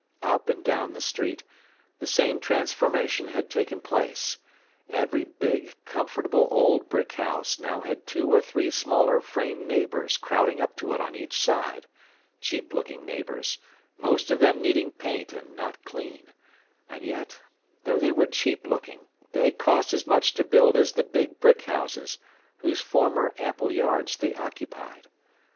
Up and down the street, the same transformation had taken place: every big, comfortable old brick house now had two or three smaller frame neighbours crowding up to it on each side, cheap looking neighbours, most of them needing paint and not clean—and yet, though they were cheap looking, they had cost as much to build as the big brick houses, whose former ample yards they occupied.